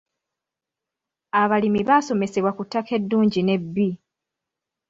Abalimi baasomesebwa ku ttaka eddungi n'ebbi.